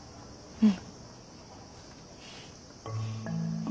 うん。